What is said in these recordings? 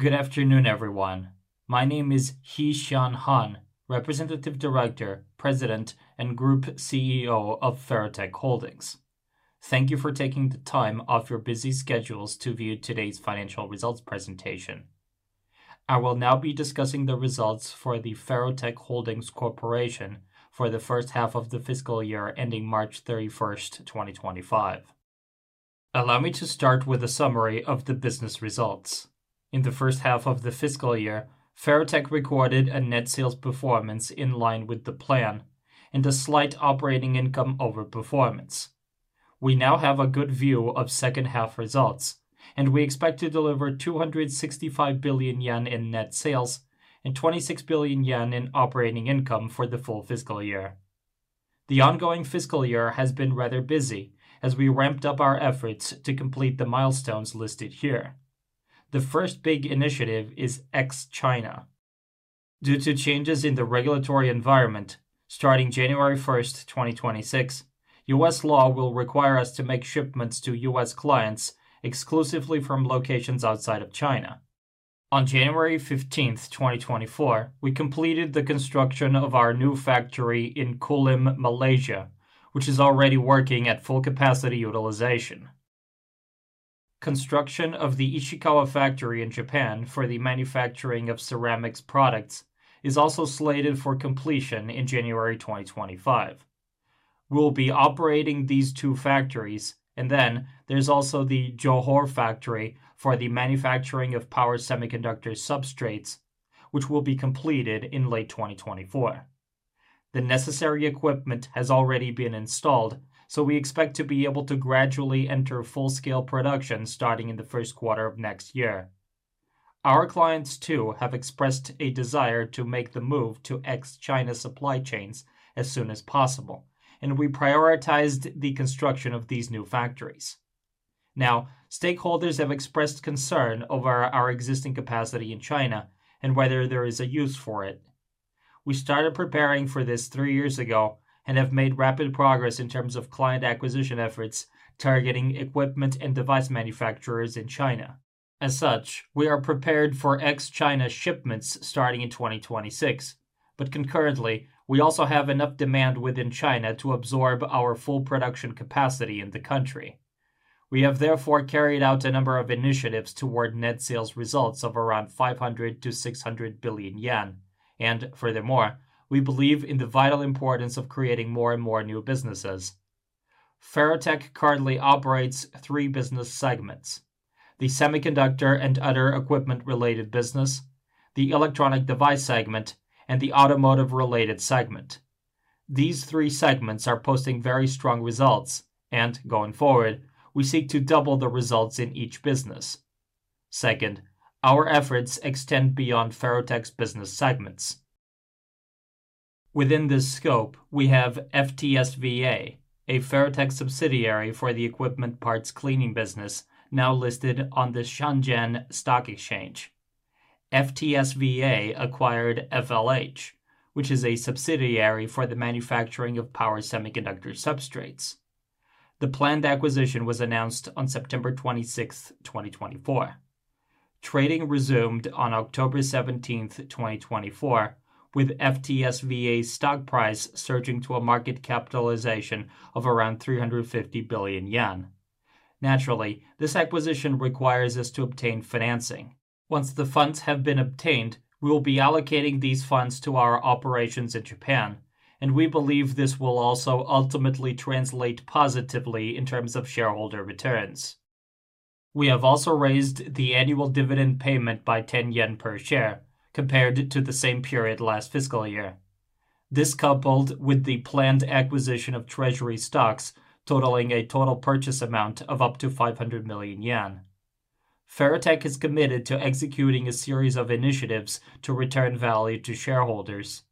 Good afternoon, everyone. My name is He Xian Han, Representative Director, President, and Group CEO of Ferrotec Holdings. Thank you for taking the time off your busy schedules to view today's financial results presentation. I will now be discussing the results for the Ferrotec Holdings Corporation for the first half of the fiscal year ending March 31st, 2025. Allow me to start with a summary of the business results. In the first half of the fiscal year, Ferrotec recorded a net sales performance in line with the plan and a slight operating income overperformance. We now have a good view of second-half results, and we expect to deliver 265 billion yen in net sales and 26 billion yen in operating income for the full fiscal year. The ongoing fiscal year has been rather busy as we ramped up our efforts to complete the milestones listed here. The first big initiative is Ex-China. Due to changes in the regulatory environment, starting January 1, 2026, U.S. law will require us to make shipments to U.S. clients exclusively from locations outside of China. On January 15, 2024, we completed the construction of our new factory in Kulim, Malaysia, which is already working at full capacity utilization. Construction of the Ishikawa factory in Japan for the manufacturing of ceramics products is also slated for completion in January 2025. We'll be operating these two factories, and then there's also the Johor factory for the manufacturing of power semiconductor substrates, which will be completed in late 2024. The necessary equipment has already been installed, so we expect to be able to gradually enter full-scale production starting in the first quarter of next year. Our clients, too, have expressed a desire to make the move to ex-China supply chains as soon as possible, and we prioritized the construction of these new factories. Now, stakeholders have expressed concern over our existing capacity in China and whether there is a use for it. We started preparing for this three years ago and have made rapid progress in terms of client acquisition efforts targeting equipment and device manufacturers in China. As such, we are prepared for ex-China shipments starting in 2026, but concurrently, we also have enough demand within China to absorb our full production capacity in the country. We have therefore carried out a number of initiatives toward net sales results of around 500 billion-600 billion yen, and furthermore, we believe in the vital importance of creating more and more new businesses. Ferrotec currently operates three business segments: the semiconductor and other equipment-related business, the electronic device segment, and the automotive-related segment. These three segments are posting very strong results, and going forward, we seek to double the results in each business. Second, our efforts extend beyond Ferrotec's business segments. Within this scope, we have FTSVA, a Ferrotec subsidiary for the equipment parts cleaning business now listed on the Shenzhen Stock Exchange. FTSVA acquired FLH, which is a subsidiary for the manufacturing of power semiconductor substrates. The planned acquisition was announced on September 26, 2024. Trading resumed on October 17, 2024, with FTSVA's stock price surging to a market capitalization of around 350 billion yen. Naturally, this acquisition requires us to obtain financing. Once the funds have been obtained, we will be allocating these funds to our operations in Japan, and we believe this will also ultimately translate positively in terms of shareholder returns. We have also raised the annual dividend payment by 10 yen per share, compared to the same period last fiscal year. This coupled with the planned acquisition of Treasury stocks totaling a total purchase amount of up to 500 million yen. Ferrotec Holdings is committed to executing a series of initiatives to return value to shareholders.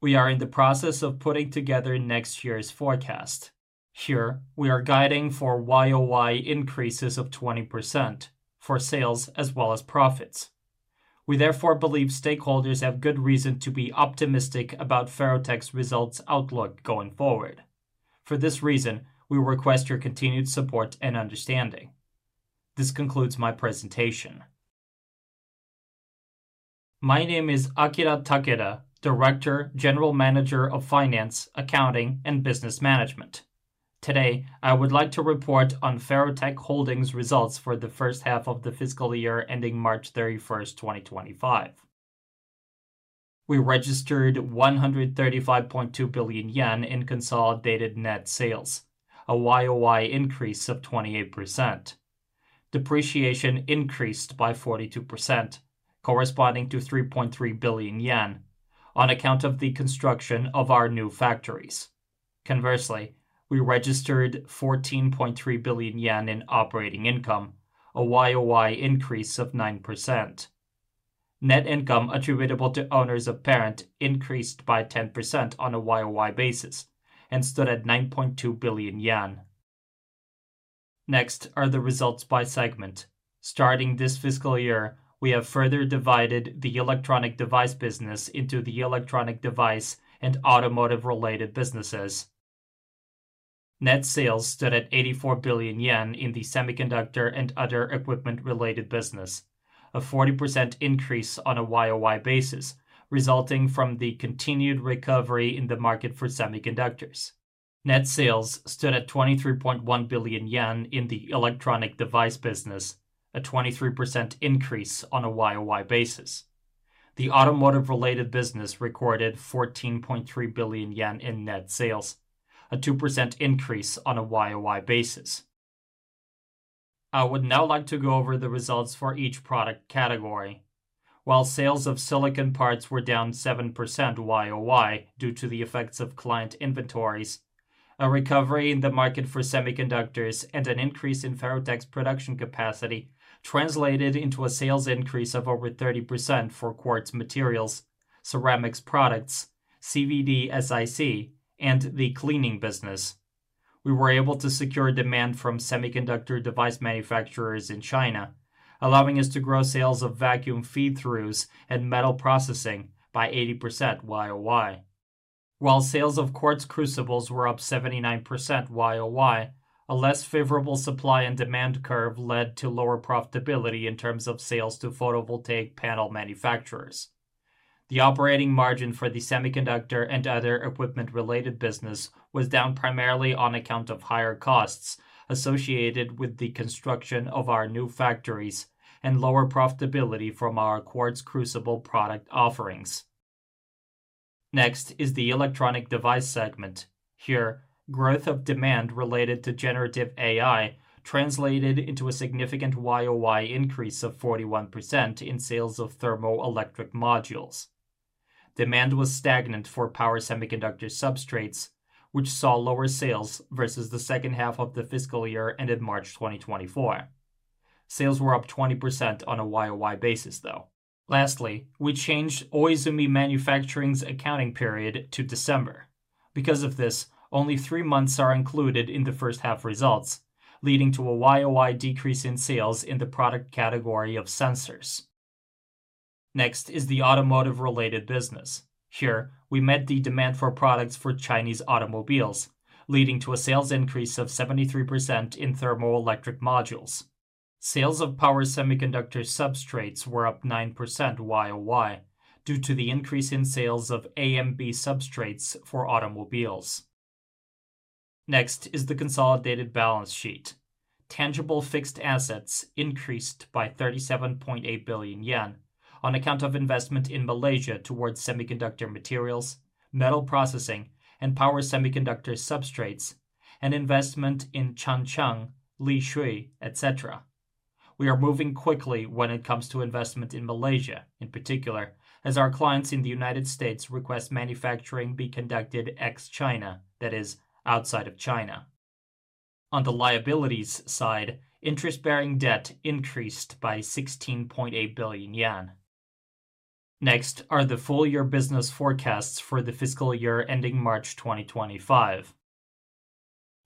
We are in the process of putting together next year's forecast. Here, we are guiding for YOY increases of 20% for sales as well as profits. We therefore believe stakeholders have good reason to be optimistic about Ferrotec Holdings' results outlook going forward. For this reason, we request your continued support and understanding. This concludes my presentation. My name is Akira Takeda, Director, General Manager of Finance, Accounting, and Business Management. Today, I would like to report on Ferrotec Holdings' results for the first half of the fiscal year ending March 31, 2025. We registered 135.2 billion yen in consolidated net sales, a YOY increase of 28%. Depreciation increased by 42%, corresponding to 3.3 billion yen, on account of the construction of our new factories. Conversely, we registered 14.3 billion yen in operating income, a YOY increase of 9%. Net income attributable to owners apparent increased by 10% on a YOY basis and stood at 9.2 billion yen. Next are the results by segment. Starting this fiscal year, we have further divided the electronic device business into the electronic device and automotive-related businesses. Net sales stood at 84 billion yen in the semiconductor and other equipment-related business, a 40% increase on a YOY basis, resulting from the continued recovery in the market for semiconductors. Net sales stood at 23.1 billion yen in the electronic device business, a 23% increase on a YOY basis. The automotive-related business recorded 14.3 billion yen in net sales, a 2% increase on a YOY basis. I would now like to go over the results for each product category. While sales of silicon parts were down 7% YOY due to the effects of client inventories, a recovery in the market for semiconductors and an increase in Ferrotec's production capacity translated into a sales increase of over 30% for quartz materials, ceramics products, CVD-SiC, and the cleaning business. We were able to secure demand from semiconductor device manufacturers in China, allowing us to grow sales of vacuum feed-throughs and metal processing by 80% YOY. While sales of quartz crucibles were up 79% YOY, a less favorable supply and demand curve led to lower profitability in terms of sales to photovoltaic panel manufacturers. The operating margin for the semiconductor and other equipment-related business was down primarily on account of higher costs associated with the construction of our new factories and lower profitability from our quartz crucible product offerings. Next is the electronic device segment. Here, growth of demand related to generative AI translated into a significant YOY increase of 41% in sales of thermoelectric modules. Demand was stagnant for power semiconductor substrates, which saw lower sales versus the second half of the fiscal year ended March 2024. Sales were up 20% on a YOY basis, though. Lastly, we changed Oizumi Manufacturing's accounting period to December. Because of this, only three months are included in the first-half results, leading to a year-over-year decrease in sales in the product category of sensors. Next is the automotive-related business. Here, we met the demand for products for Chinese automobiles, leading to a sales increase of 73% in thermoelectric modules. Sales of power semiconductor substrates were up 9% year-over-year due to the increase in sales of AMB substrates for automobiles. Next is the consolidated balance sheet. Tangible fixed assets increased by 37.8 billion yen on account of investment in Malaysia toward semiconductor materials, metal processing, and power semiconductor substrates, and investment in Changchun, Lishui, etc. We are moving quickly when it comes to investment in Malaysia, in particular, as our clients in the U.S. request manufacturing be conducted ex-China, that is, outside of China. On the liabilities side, interest-bearing debt increased by 16.8 billion yen. Next are the full-year business forecasts for the fiscal year ending March 2025.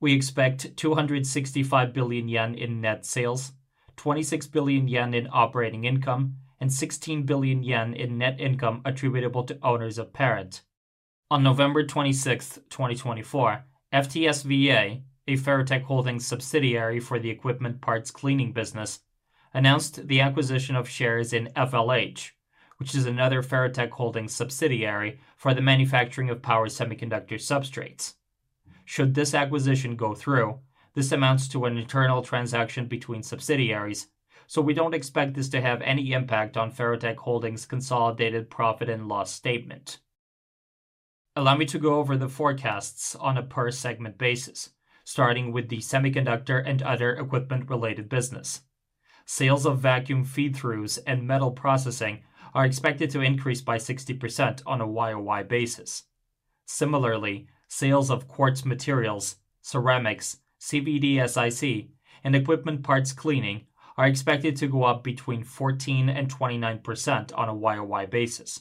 We expect 265 billion yen in net sales, 26 billion yen in operating income, and 16 billion yen in net income attributable to owners apparent. On November 26, 2024, FTSVA, a Ferrotec Holdings subsidiary for the equipment parts cleaning business, announced the acquisition of shares in FLH, which is another Ferrotec Holdings subsidiary for the manufacturing of power semiconductor substrates. Should this acquisition go through, this amounts to an internal transaction between subsidiaries, so we do not expect this to have any impact on Ferrotec Holdings' consolidated profit and loss statement. Allow me to go over the forecasts on a per-segment basis, starting with the semiconductor and other equipment-related business. Sales of vacuum feed-throughs and metal processing are expected to increase by 60% on a YOY basis. Similarly, sales of quartz materials, ceramics products, CVD-SiC, and equipment parts cleaning are expected to go up between 14% and 29% on a YOY basis.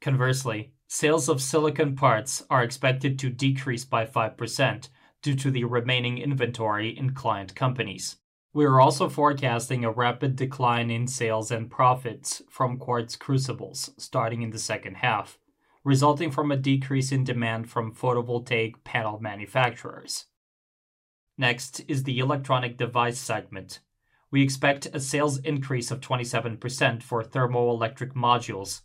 Conversely, sales of silicon parts are expected to decrease by 5% due to the remaining inventory in client companies. We are also forecasting a rapid decline in sales and profits from quartz crucibles starting in the second half, resulting from a decrease in demand from photovoltaic panel manufacturers. Next is the electronic device segment. We expect a sales increase of 27% for thermoelectric modules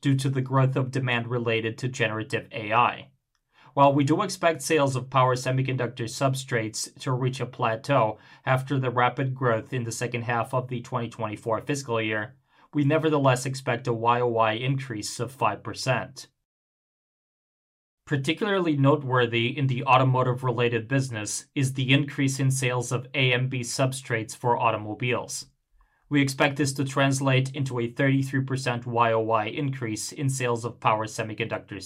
due to the growth of demand related to generative AI. While we do expect sales of power semiconductor substrates to reach a plateau after the rapid growth in the second half of the 2024 fiscal year, we nevertheless expect a YOY increase of 5%. Particularly noteworthy in the automotive-related business is the increase in sales of AMB substrates for automobiles. We expect this to translate into a 33% YOY increase in sales of power semiconductor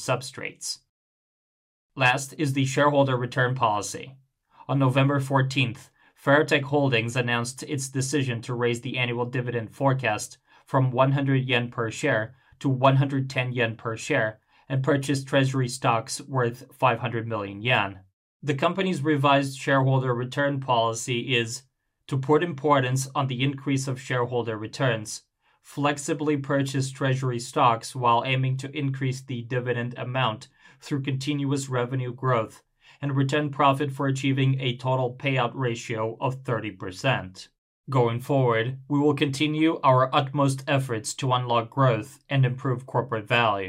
substrates. Last is the shareholder return policy. On November 14, Ferrotec Holdings announced its decision to raise the annual dividend forecast from 100 yen per share to 110 yen per share and purchase Treasury stocks worth 500 million yen. The company's revised shareholder return policy is: to put importance on the increase of shareholder returns, flexibly purchase Treasury stocks while aiming to increase the dividend amount through continuous revenue growth, and return profit for achieving a total payout ratio of 30%. Going forward, we will continue our utmost efforts to unlock growth and improve corporate value.